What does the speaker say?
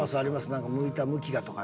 なんか向いた向きがとかね。